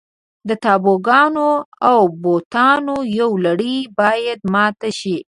د تابوګانو او بوتانو یوه لړۍ باید ماته شي.